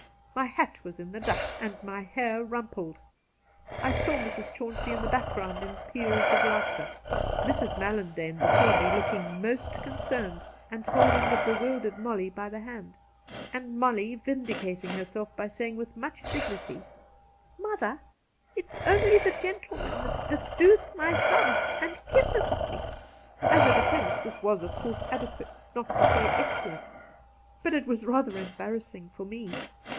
My hat was in the dust and my hair rumpled. I saw Mrs. Chauncey in the background in peals of laughter ; Mrs. Mallandane before me, looking most concerned, and holding the bewUdered Molly by the hand ; and Molly vindicating herself by saying with much dignity :' Mother, it's only the gentimeU that dooth my thumth an' kitheth me.' As a defence this was, of course, adequate — not to say excellent ; but it was rather embarrassing for Biie.